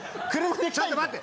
ちょっと待て！